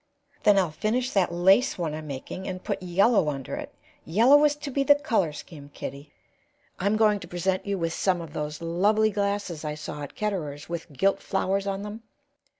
"Then I'll finish that lace one I'm making and put yellow under it. Yellow is to be the color scheme, Kitty. I'm going to present you with some of those lovely glasses I saw at Ketterer's, with gilt flowers on them.